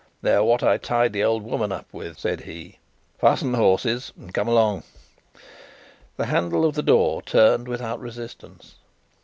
"They're what I tied the old woman up with," said he. "Fasten the horses, and come along." The handle of the door turned without resistance.